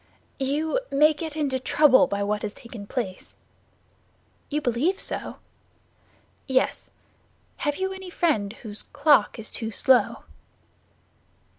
"You may get into trouble by what has taken place." "You believe so?" "Yes. Have you any friend whose clock is too slow?"